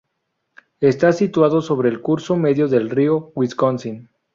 Está situado sobre el curso medio del río Wisconsin.